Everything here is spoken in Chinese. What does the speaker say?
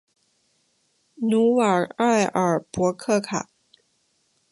努瓦埃尔博卡格。